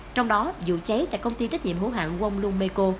trong đó vụ cháy tại công ty trách nhiệm hữu hạng wong lung meiko